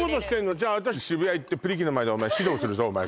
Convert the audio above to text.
じゃあ私渋谷行ってプリ機の前で指導するぞお前